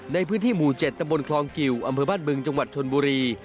ในพื้นที่หมู่๗ตำบลคลองกิวอำเภอบ้านบึงจังหวัดชนบุรี